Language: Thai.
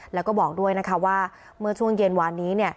แล้วก็บอกด้วยนะคะว่าเมื่อช่วงเย็นวานนี้